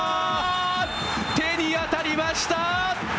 手に当たりました。